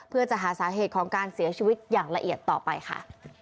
เพื่อจะหาสาเหตุของการเสียชีวิตอย่างละเอียดต่อไปค่ะ